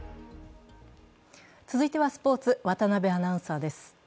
続いてはスポーツ、渡部アナウンサーです。